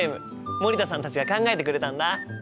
森田さんたちが考えてくれたんだ！